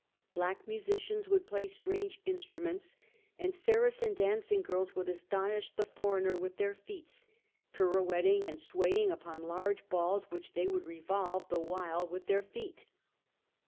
Black musicians would play strange instruments, and Saracen dancing girls would astonish the foreigner with their feats, pirouetting and swaying upon large balls which they would revolve the while with their feet.